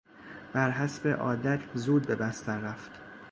برحسب عادت زود به بستر رفت.